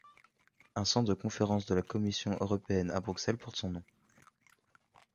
Un centre de conférence de la Commission européenne à Bruxelles porte son nom.